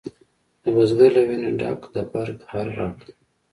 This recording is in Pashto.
د بزګر له ویني ډک د برګ هر رګ و